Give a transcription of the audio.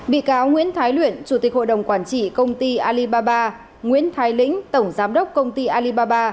bị cáo nguyễn thái luyện chủ tịch hội đồng quản trị công ty alibaba nguyễn thái lĩnh tổng giám đốc công ty alibaba